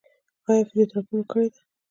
ایا فزیوتراپي مو کړې ده؟